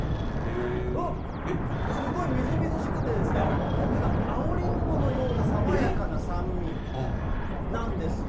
おっ、すごいみずみずしくてですね、なんか青リンゴのような、爽やかな酸味なんですよ。